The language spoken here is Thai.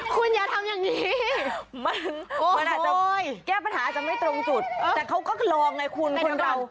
คุณอย่าทำอย่างนี้